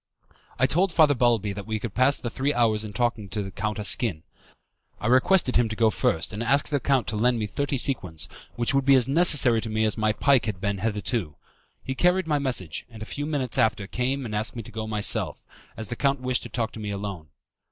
I told Father Balbi that we could pass the three hours in talking to Count Asquin. I requested him to go first and ask the count to lend me thirty sequins, which would be as necessary to me as my pike had been hitherto. He carried my message, and a few minutes after came and asked me to go myself, as the count wished to talk to me alone.